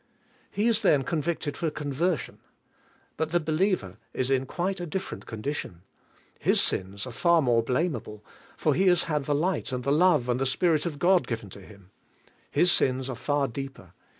He is then convicted for conversion. But the believer is in quite a different condition. His sins are far more blamable, for he has had the light and the love and the Spirit of God CARNAL CHRISTIANS 19 given to him. His sins are far deeper.